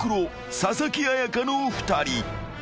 佐々木彩夏の２人］